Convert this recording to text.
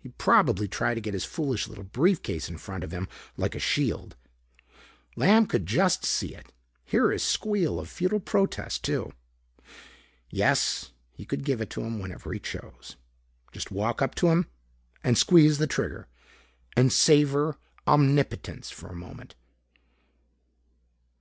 He'd probably try to get his foolish little briefcase in front of him like a shield. Lamb could just see it. Hear his squeal of futile protest, too. Yes, he could give it to him whenever he chose. Just walk up to him and squeeze the trigger and savor omnipotence for a moment.